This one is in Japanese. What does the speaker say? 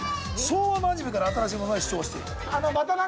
昭和のアニメから新しいものまで視聴している。